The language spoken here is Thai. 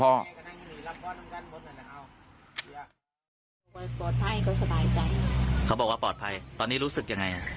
ปลอดภัยก็สบายใจเขาบอกว่าปลอดภัยตอนนี้รู้สึกยังไง